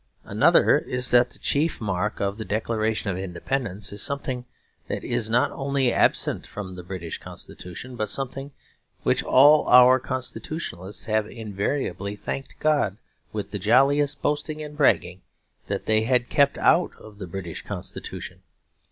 Another is that the chief mark of the Declaration of Independence is something that is not only absent from the British Constitution, but something which all our constitutionalists have invariably thanked God, with the jolliest boasting and bragging, that they had kept out of the British Constitution.